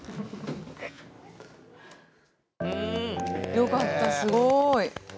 よかった、すごーい！